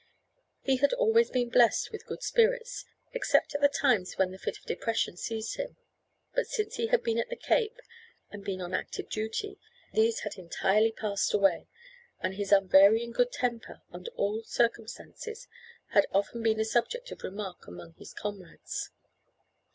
He had always been blessed with good spirits, except at the times when the fit of depression seized him; but since he had been at the Cape, and been on active duty, these had entirely passed away, and his unvarying good temper under all circumstances had often been the subject of remark among his comrades.